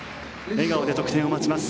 笑顔で得点を待ちます。